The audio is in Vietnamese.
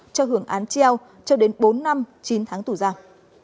cho hưởng án treo cho đến bốn năm chín tháng tù giam